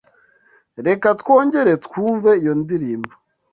Reka twongere twumve iyo ndirimbo.